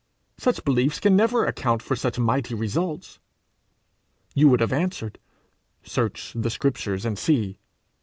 such beliefs can never account for such mighty results!' You would have answered, 'Search the Scriptures and see.'